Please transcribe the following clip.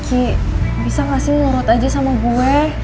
ki bisa gak sih ngurut aja sama gue